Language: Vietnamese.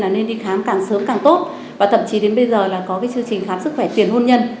là nên đi khám càng sớm càng tốt và tậm chí đến bây giờ là có cái chương trình khám sức khỏe tiền hôn nhân